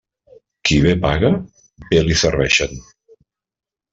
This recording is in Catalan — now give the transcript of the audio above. Qui bé paga, bé li serveixen.